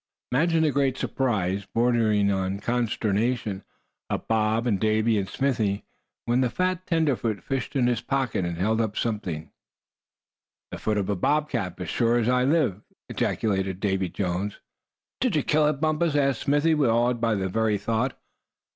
Imagine the great surprise, bordering on consternation, of Bob and Davy and Smithy when the fat tenderfoot fished in his pocket and held something up. "The foot of a bob cat, as sure as I live!" ejaculated Davy Jones. "Did you kill it, Bumpus?" asked Smithy, awed by the very thought.